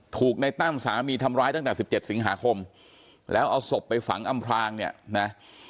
ถูกในตั้มสามีทำร้ายตั้งแต่๑๗สิงหาคมแล้วเอาศพไปฝังอำพลางเนี่ยนะ